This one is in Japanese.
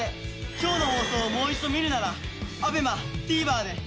今日の放送をもう一度見るならＡＢＥＭＡＴＶｅｒで。